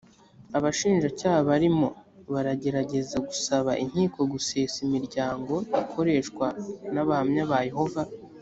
abashinjacyaha barimo baragerageza gusaba inkiko gusesa imiryango ikoreshwa n’abahamya ba yehova